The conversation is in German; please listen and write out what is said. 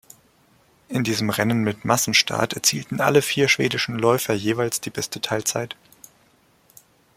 In diesem Rennen mit Massenstart erzielten alle vier schwedischen Läufer jeweils die beste Teilzeit.